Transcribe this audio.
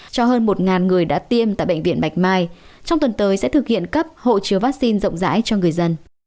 cho hơn một người đã tiêm tại bệnh viện bạch mai trong tuần tới sẽ thực hiện cấp hộ chiếu vaccine rộng rãi cho người dân